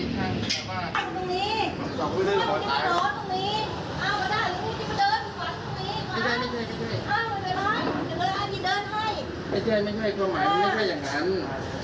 ถ้าครูป้าพูดอย่างนั้นแล้วบ้านมันจะสงบสุดได้อย่างไร